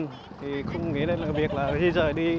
thì không nghĩ đến việc là đi rời đi